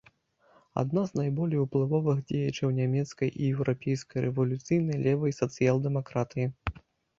Адна з найболей уплывовых дзеячаў нямецкай і еўрапейскай рэвалюцыйнай левай сацыял-дэмакратыі.